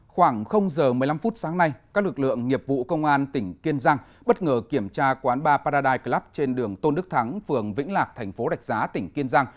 khoảng giờ một mươi năm phút sáng nay các lực lượng nghiệp vụ công an tỉnh kiên giang bất ngờ kiểm tra quán ba paradise club trên đường tôn đức thắng phường vĩnh lạc thành phố đạch giá tỉnh kiên giang